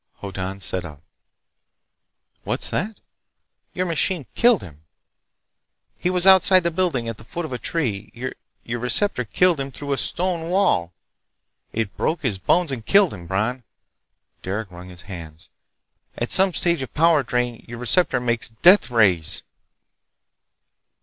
Hoddan sat up. "What's that?" "Your machine—killed him. He was outside the building at the foot of a tree. Your receptor killed him through a stone wall! It broke his bones and killed him.... Bron—" Derec wrung his hands. "At some stage of power drain your receptor makes deathrays!"